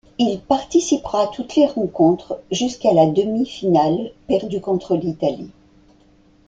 Il participera à toutes les rencontres jusqu'à la demi-finale perdue contre l'Italie.